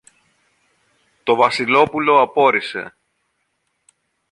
Το Βασιλόπουλο απόρησε.